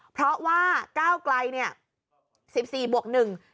เพราะว่าก้าวไกร๑๔บวก๑